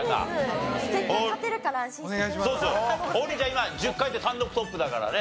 今１０回で単独トップだからね。